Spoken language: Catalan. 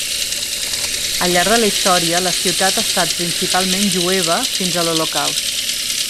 Al llarg de la història la ciutat ha estat principalment jueva fins a l'Holocaust.